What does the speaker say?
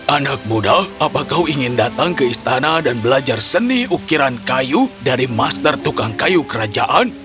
anak muda apakah kau ingin datang ke istana dan belajar seni ukiran kayu dari master tukang kayu kerajaan